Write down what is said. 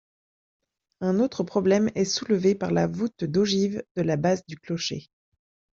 Un autre problème est soulevé par la voûte d'ogives de la base du clocher.